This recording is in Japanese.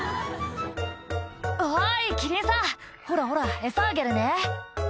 「おいキリンさんほらほらエサあげるね」